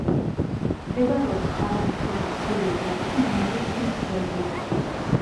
მდებარეობს ხარულის ქედის ჩრდილოეთ ნაწილში, მდინარე ქსნის ზემოთში.